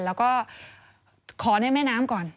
แล้วก็ขอในแม่น้ำก่อน